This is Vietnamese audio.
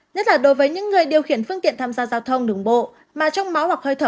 nhất là đối với những người điều khiển phương tiện tham gia giao thông đường bộ mà trong máu hoặc hơi thở